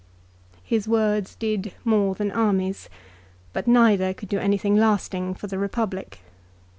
His words did more than armies, but neither could do anything lasting for the Republic.